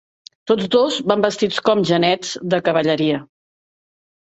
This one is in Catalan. Tots dos van vestits com genets de cavalleria.